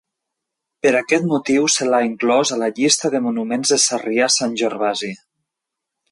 Per aquest motiu se l'ha inclòs a la llista de monuments de Sarrià-Sant Gervasi.